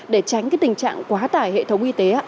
để tránh cái tình trạng quá tải hệ thống y tế ạ